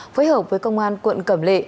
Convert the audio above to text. phối hợp với công an quận cẩm lệ